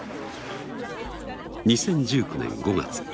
２０１９年５月。